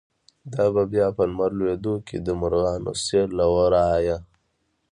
“دا به بیا په لمر لویدو کی، د مرغانو سیل له ورایه